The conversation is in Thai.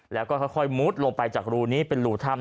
แล้วก็ค่อยมุดลงไปจากรูนี้เป็นรูถ้ำ